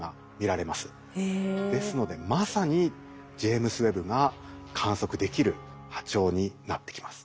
ですのでまさにジェイムズ・ウェッブが観測できる波長になってきます。